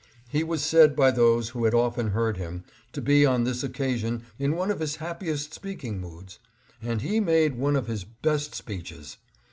He was said by those who had often heard him to be on this occasion in one of his happiest speaking moods, and he made one of his best speeches.